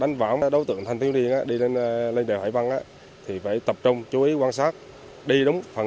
đánh võng che biển số để đối phó với cơ quan công an